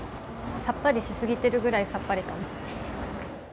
さっぱりしすぎてるぐらいさっぱりかな。